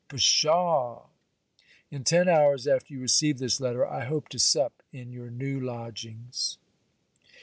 Psha! In ten hours after you receive this letter, I hope to sup in your new lodgings.